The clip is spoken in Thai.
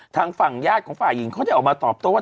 ทางฝั่งญาติของฝ่ายหญิงเขาได้ออกมาตอบโต้